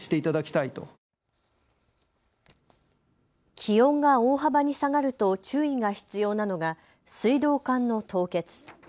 気温が大幅に下がると注意が必要なのが水道管の凍結。